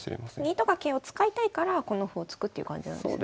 銀とか桂を使いたいからこの歩を突くっていう感じなんですね。